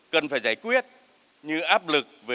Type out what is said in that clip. cần phải giải quyết như áp lực